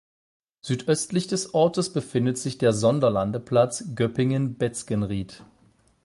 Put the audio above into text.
Südöstlich des Ortes befindet sich der Sonderlandeplatz Göppingen-Bezgenriet.